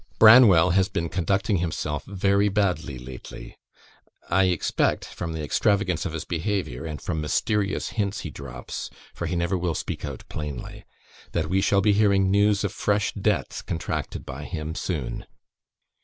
Branwell has been conducting himself very badly lately. I expect, from the extravagance of his behaviour, and from mysterious hints he drops (for he never will speak out plainly), that we shall be hearing news of fresh debts contracted by him soon.